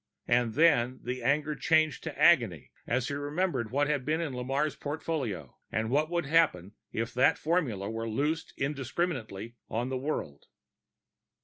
And then the anger changed to agony as he remembered what had been in Lamarre's portfolio, and what would happen if that formula were loosed indiscriminately in the world.